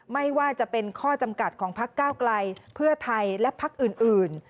ไม่ว่าจะเป็นข้อจำกัดของพักเก้าไกลเพื่อไทยและพักอื่น